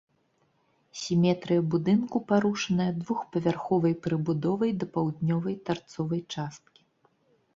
Сіметрыя будынку парушаная двухпавярховай прыбудовай да паўднёвай тарцовай часткі.